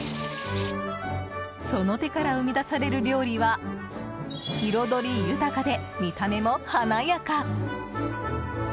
その手から生み出される料理は彩り豊かで、見た目も華やか！